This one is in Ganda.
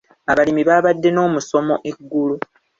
Abalimi baabadde n'omusomo eggulo.